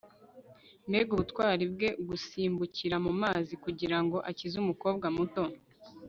mbega ubutwari bwe gusimbukira mu mazi kugirango akize umukobwa muto